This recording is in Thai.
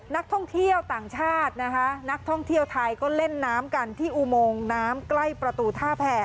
นักท่องเที่ยวต่างชาตินะคะนักท่องเที่ยวไทยก็เล่นน้ำกันที่อุโมงน้ำใกล้ประตูท่าแผ่